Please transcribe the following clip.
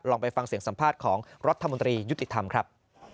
ลองไปฟังเสียงสัมภาษณ์ของรธยุติธรรมครับ